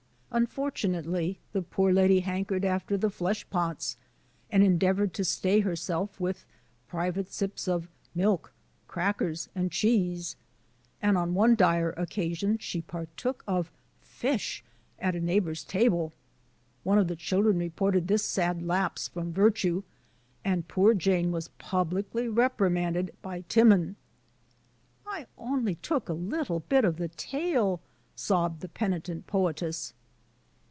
Unfortunately, the poor lady hankered after the flesh pots, and endeavored to stay herself with private sips of milk, crackers, and cheese,^ and on one dire occasion ^e partook of fish at a ^ neighbor's table. One of the children reported this sad lapse from virtue, and poor Jane was publicly reprimanded by Timon. " I only took a little bit of the t^" sobbed the penitent poetess.